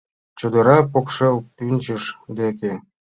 Чодыра покшел пӱнчыж деке